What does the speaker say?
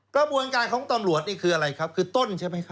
กระบวนการของตำรวจนี่คืออะไรครับคือต้นใช่ไหมครับ